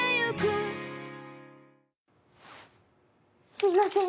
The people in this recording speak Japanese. すみません